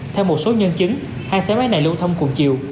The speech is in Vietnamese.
theo một số nhân chứng hai xe máy này lưu thông cùng chiều